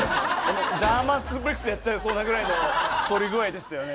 ジャーマンスープレックスやっちゃいそうなぐらいの反り具合でしたよね。